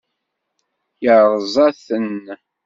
Yeṛṛeẓ-aten?